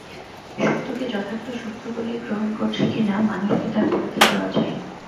সত্যকে যথার্থ সত্য বলেই গ্রহণ করছি কি না মানুষকে তার পরীক্ষা দেওয়া চাই।